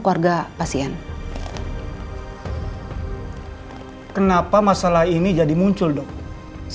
bisambil gem bilik yang dua lidah ini